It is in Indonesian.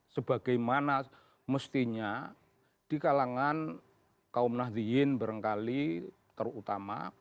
sebagaimana mestinya di kalangan kaum nahdhin berengkali terutama